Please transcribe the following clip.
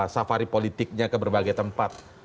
safari politiknya ke berbagai tempat